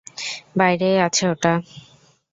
বাইরেই আছে ওটা।